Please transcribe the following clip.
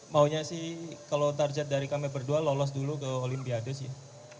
maunya sih kalau target dari kami berdua lolos dulu ke olimpiade sih